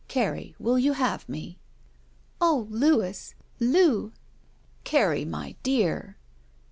Carrie, will you have me?" Oh, Lotiis — Loo!" Carrie, my dear!"